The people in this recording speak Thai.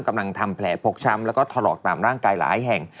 ทำแผลฟกช้ำแล้วก็ถลอกตามร่างกายหลายแห่ง